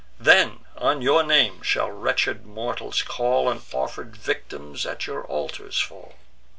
Then on your name shall wretched mortals call, And offer'd victims at your altars fall."